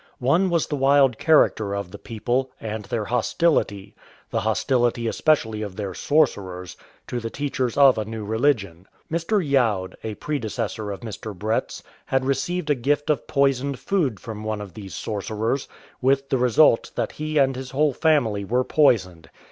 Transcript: One was the wild character of the people, and their hostility, the hostility especially of their sorcerers, to the teachers of a new religion. Mr. Youd, a predecessor of Mr. Bretfs, had received a gift of poisoned food from one of those sorcerers, with the result that he and his whole family were poisoned.